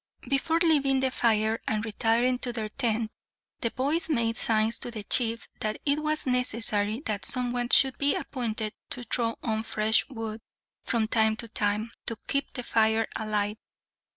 Before leaving the fire and retiring to their tent, the boys made signs to the chief that it was necessary that someone should be appointed to throw on fresh wood, from time to time, to keep the fire alight.